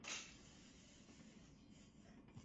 对手于皇马禁区皇马守将侵犯遭漏判十二码。